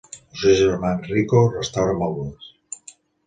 El seu germà, Enrico, restaura mobles.